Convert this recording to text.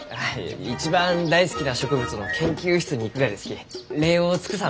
一番大好きな植物の研究室に行くがですき礼を尽くさんと。